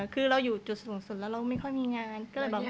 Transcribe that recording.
คือเราอยู่จุดสูงสุดแล้วเราไม่ค่อยมีงาน